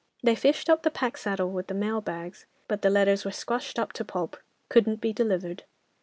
They fished up the pack saddle with the mail bags, but the letters were squashed up to pulp—couldn't be delivered.